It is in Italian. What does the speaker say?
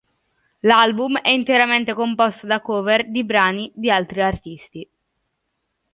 L'album è interamente composto da cover di brani di altri artisti.